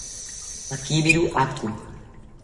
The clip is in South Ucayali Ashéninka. Akibiro ako